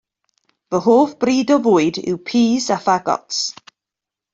Fy hoff bryd o fwyd yw pys a ffagots.